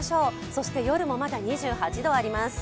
そして、夜もまだ２８度あります。